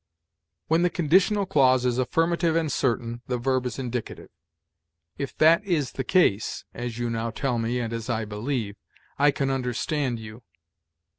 "When the conditional clause is affirmative and certain, the verb is indicative: 'If that is the case' (as you now tell me, and as I believe), 'I can understand you.'